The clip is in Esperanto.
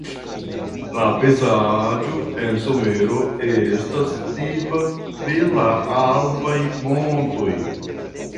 La pejzaĝo en somero estas tipa de la alpaj montoj.